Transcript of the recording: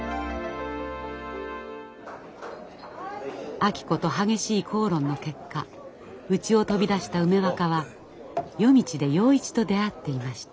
明子と激しい口論の結果家を飛び出した梅若は夜道で洋一と出会っていました。